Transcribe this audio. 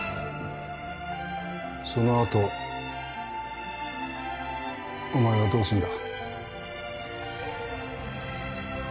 そのあとお前はどうすんだ？